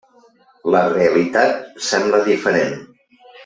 La realitat sembla diferent.